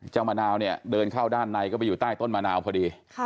มะนาวเนี่ยเดินเข้าด้านในก็ไปอยู่ใต้ต้นมะนาวพอดี